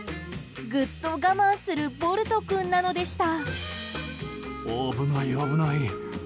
ぐっと我慢するぼると君なのでした。